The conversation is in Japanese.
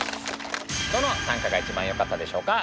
どの短歌が一番よかったでしょうか？